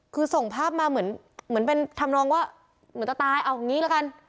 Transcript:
คือส่งภาพมาเหมือนเป็นทำนองว่าเหมือนจะตายเอาอย่างนี้ละกัน